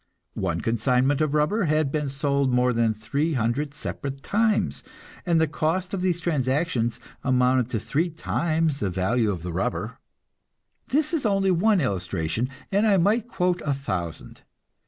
One consignment of rubber had been sold more than three hundred separate times, and the cost of these transactions amounted to three times the value of the rubber. This is only one illustration, and I might quote a thousand.